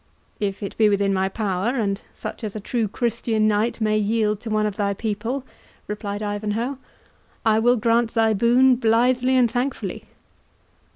"If it be within my power, and such as a true Christian knight may yield to one of thy people," replied Ivanhoe, "I will grant thy boon blithely and thankfully."